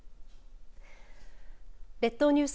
列島ニュース